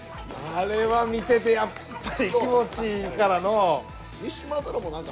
あれは見ててやっぱり気持ちいいからのう。